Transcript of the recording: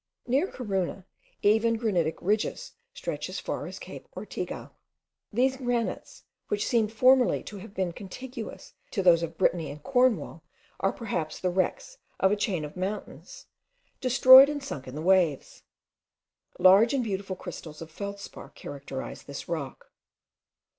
Near Corunna even granitic ridges stretch as far as Cape Ortegal. These granites, which seem formerly to have been contiguous to those of Britanny and Cornwall, are perhaps the wrecks of a chain of mountains destroyed and sunk in the waves. Large and beautiful crystals of feldspar characterise this rock.